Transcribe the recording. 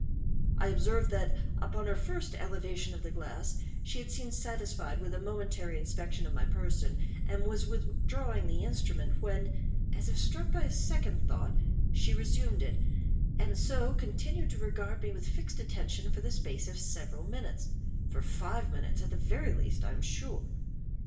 I observed that, upon her first elevation of the glass, she had seemed satisfied with a momentary inspection of my person, and was withdrawing the instrument, when, as if struck by a second thought, she resumed it, and so continued to regard me with fixed attention for the space of several minutes—for five minutes, at the very least, I am sure.